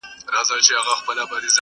زه سینې د حیوانانو څیرومه٫